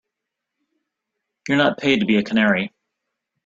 You're not paid to be a canary.